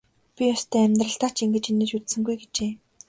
Би ёстой амьдралдаа ч ингэж инээж үзсэнгүй гэжээ.